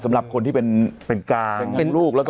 สำหรับคนที่เป็นลูกแล้วก็เป็นธรรยานะ